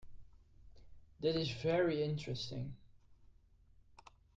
That is very interesting.